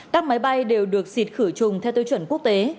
các máy bay đều được xịt khử trùng theo tiêu chuẩn quốc tế